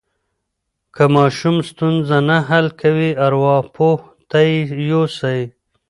که ماشوم ستونزه نه حل کوي، ارواپوه ته یې یوسئ.